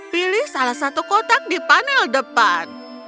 pilih salah satu kotak di panel depan